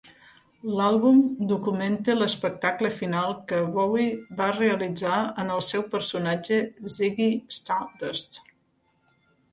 L'àlbum documenta l'espectacle final que Bowie va realitzar en el seu personatge Ziggy Stardust.